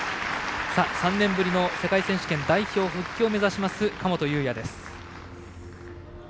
３年ぶりの世界選手権代表復帰を目指す神本雄也です。